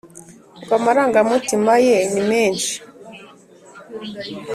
ngo amarangamutima ye nimenshi